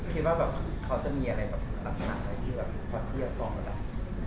คิดว่าแบบเขาจะมีอะไรแบบลักษณะอะไรที่แบบเขาจะฟ้องกับเรา